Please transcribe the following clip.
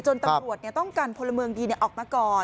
จนตำรวจเนี่ยต้องกันพลเมิงดีเนี่ยออกมาก่อน